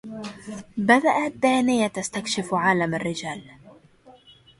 بدأت دانية تستكشف عالم الرّجال.